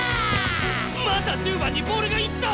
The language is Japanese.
また１０番にボールが行った！